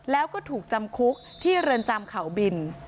แล้วก็ถูกจำคุกที่เรือนจำเขาบิน